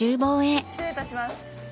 失礼いたします。